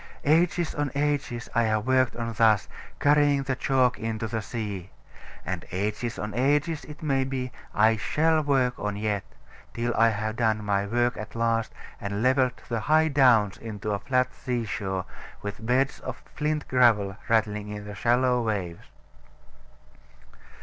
Ages on ages I have worked on thus, carrying the chalk into the sea. And ages on ages, it may be, I shall work on yet; till I have done my work at last, and levelled the high downs into a flat sea shore, with beds of flint gravel rattling in the shallow waves.